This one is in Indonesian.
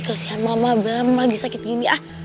kasian mama bener lagi sakit gini ah